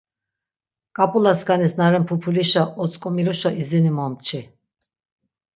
K̆ap̆ulaskanis na ren pupulişa otzk̆omiluşa izini momçi.